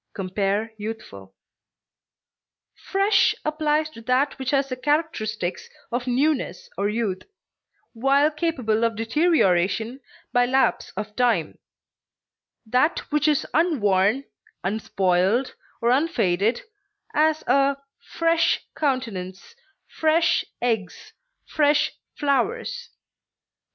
(Compare YOUTHFUL.) Fresh applies to that which has the characteristics of newness or youth, while capable of deterioration by lapse of time; that which is unworn, unspoiled, or unfaded; as, a fresh countenance, fresh eggs, fresh flowers.